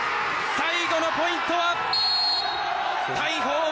最後のポイントは。